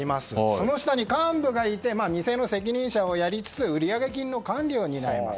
その下に幹部がいて店の責任者をやりつつ売上金の管理を担います。